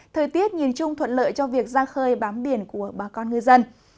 thời tiết nhìn chung thuận lợi cho việc ra khơi bám biển của bà con ngư dân